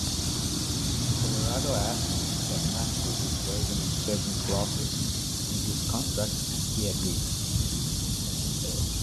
Colorado asked that Matsui waive certain clauses in his contract and he agreed.